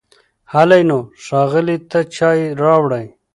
هلی نو، ښاغلي ته چای راوړئ!